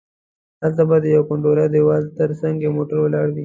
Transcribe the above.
هلته به د یوه کنډواله دیوال تر څنګه یو موټر ولاړ وي.